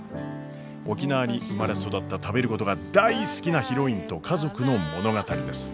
沖縄に生まれ育った食べることが大好きなヒロインと家族の物語です。